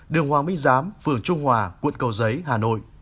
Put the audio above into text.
đường hoàng minh giám phường trung hòa quận cầu giấy hà nội